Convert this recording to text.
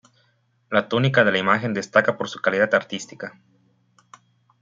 La túnica de la imagen destaca por su calidad artística.